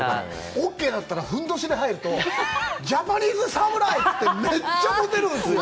オッケーだったら、ふんどしに入ると、ジャパニーズ侍！ってめっちゃモテるんですよ。